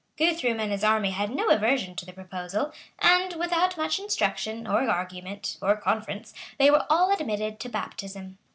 [*] Guthrum and his army had no aversion to the proposal; and, without much instruction, or argument, or conference, they were all admitted to baptism.